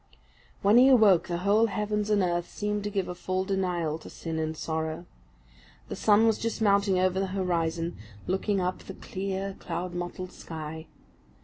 When he awoke, the whole heavens and earth seemed to give a full denial to sin and sorrow. The sun was just mounting over the horizon, looking up the clear cloud mottled sky.